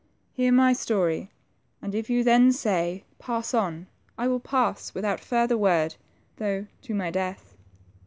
Hear my story, and if you then say ^ Pass on,' I will pass without further word, though to my death."